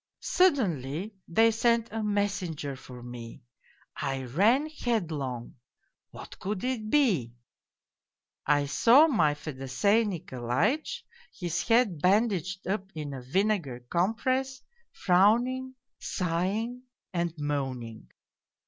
" Suddenly they sent a messenger for me. I ran headlong what could it be ? I saw my Fedosey Nikolaitch, his head ban daged up in a vinegar compress, frowning, sighing, and moaning.